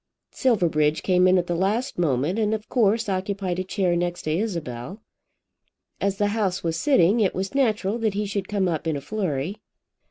Silverbridge came in at the last moment, and of course occupied a chair next to Isabel. As the House was sitting, it was natural that he should come up in a flurry.